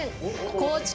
高知県